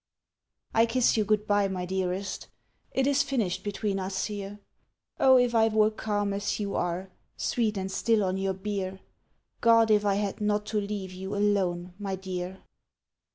I kiss you good bye, my dearest, It is finished between us here. Oh, if I were calm as you are, Sweet and still on your bier! God, if I had not to leave you Alone, my dear!